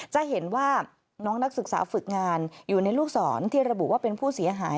จะเห็นว่าน้องนักศึกษาฝึกงานอยู่ในลูกศรที่ระบุว่าเป็นผู้เสียหาย